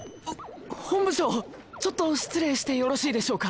本部長ちょっと失礼してよろしいでしょうか。